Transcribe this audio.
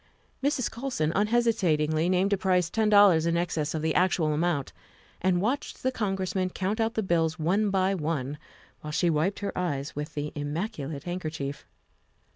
Mrs. Colson unhesitatingly named a price ten dollars in excess of the actual amount and watched the Con gressman count out the bills one by one, while she wiped her eyes with the immaculate handkerchief.